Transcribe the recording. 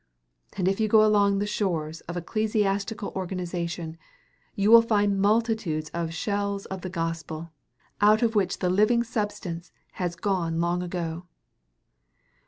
And if you go along the shores of ecclesiastical organization, you will find multitudes of shells of the gospel, out of which the living substance has gone long ago.